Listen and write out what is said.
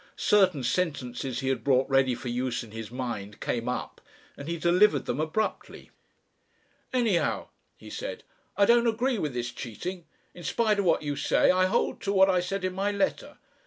Certain sentences he had brought ready for use in his mind came up and he delivered them abruptly. "Anyhow," he said, "I don't agree with this cheating. In spite of what you say, I hold to what I said in my letter.